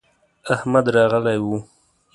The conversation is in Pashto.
احمد راغلی و.